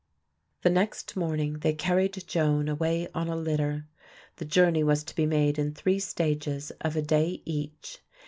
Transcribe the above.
The next morning they carried Joan away on a litter. The journey was to be made in three stages of a day each.